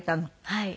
はい。